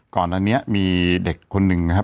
ก่อนอันนี้มีเด็กคนหนึ่งนะครับ